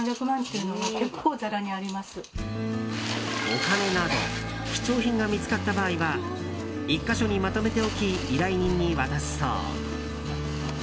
お金など貴重品が見つかった場合は１か所にまとめておき依頼人に渡すそう。